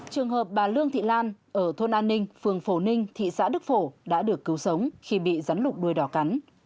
trường hợp bà lương thị lan ở thôn an ninh phường phổ ninh thị xã đức phổ đã được cứu sống khi bị rắn lục đuôi đỏ cắn